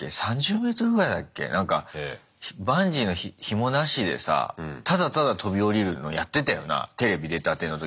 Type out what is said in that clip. なんかバンジーのひもなしでさただただ飛び降りるのやってたよなテレビ出たての時。